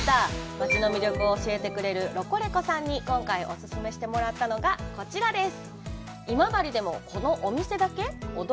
町の魅力を教えてくれるロコレコさんに今回お勧めしてもらったのがこちらです。